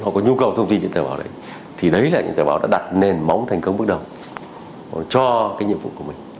họ có nhu cầu thông tin trên tờ báo đấy thì đấy là những tờ báo đã đặt nền móng thành công bước đầu cho cái nhiệm vụ của mình